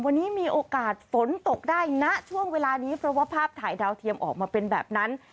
วันนี้มีโอกาสฝนตกได้ณช่วงเวลานี้เพราะว่าภาพถ่ายดาวเทียมออกมาเป็นแบบนั้น